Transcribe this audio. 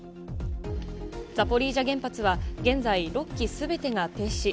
ザポリージャ原発は現在、６基すべてが停止。